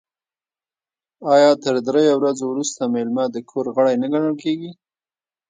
آیا تر دریو ورځو وروسته میلمه د کور غړی نه ګڼل کیږي؟